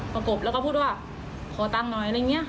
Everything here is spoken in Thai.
กบแล้วก็พูดว่าขอตังค์หน่อยอะไรอย่างนี้